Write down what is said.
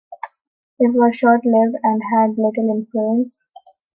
It was short-lived and had little influence.